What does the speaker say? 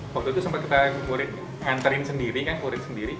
waktu itu sempat kita ngantriin sendiri kan kurin sendiri